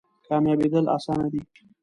کامیابیدل اسانه دی؟